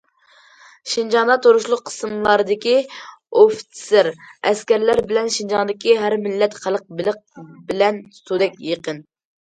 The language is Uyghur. شىنجاڭدا تۇرۇشلۇق قىسىملاردىكى ئوفىتسېر- ئەسكەرلەر بىلەن شىنجاڭدىكى ھەر مىللەت خەلق بېلىق بىلەن سۇدەك يېقىن.